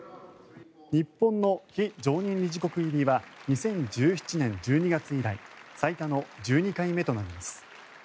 日本の非常任理事国入りは２０１７年１２月以来最多の１２回目となります。